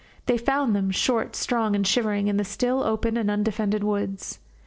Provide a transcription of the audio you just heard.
They found them, short, strong, and shivering, in the still open and undefended woods.